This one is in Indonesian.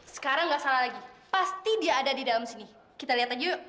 sekarang nggak salah lagi pasti dia ada di dalam sini kita lihat aja yuk